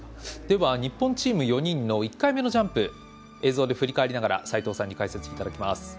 日本チーム４人の１回目のジャンプを映像で振り返りながら齋藤さんに解説いただきます。